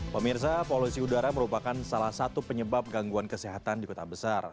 pemirsa polusi udara merupakan salah satu penyebab gangguan kesehatan di kota besar